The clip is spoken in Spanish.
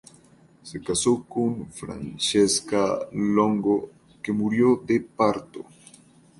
Se casó con Francesca Longo, que murió de parto.